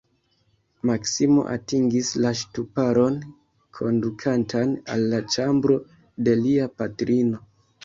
Maksimo atingis la ŝtuparon, kondukantan al la ĉambro de lia patrino.